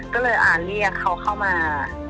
ก็เลยเรียกเขาเข้ามา